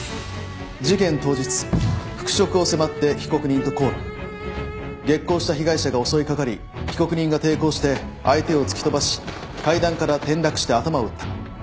事件当日復職を迫って被告人と口論激高した被害者が襲い掛かり被告人が抵抗して相手を突き飛ばし階段から転落して頭を打った。